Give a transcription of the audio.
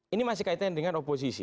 ini masih kaitan dengan oposisi